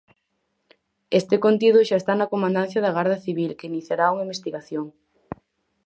Este contido xa está na comandancia da Garda Civil, que iniciará unha investigación.